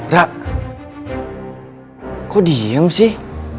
rar kok diem sih